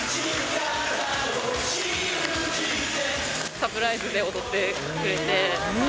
サプライズで踊ってくれて。